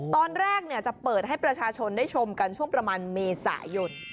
ตอนแรกจะเปิดให้ประชาชนได้ชมกันช่วงประมาณเมษายน